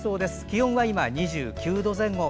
気温は今２９度前後。